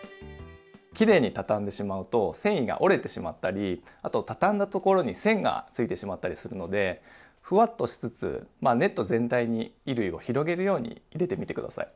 きれいにたたんでしまうと繊維が折れてしまったりあとたたんだところに線がついてしまったりするのでふわっとしつつネット全体に衣類を広げるように入れてみて下さい。